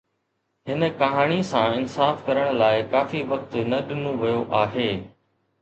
هن ڪهاڻي سان انصاف ڪرڻ لاء ڪافي وقت نه ڏنو ويو آهي